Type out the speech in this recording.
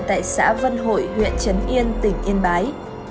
tại xã vân hội huyện trấn yên tỉnh yên bái